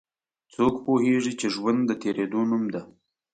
څوک پوهیږي چې ژوند د تیریدو نوم ده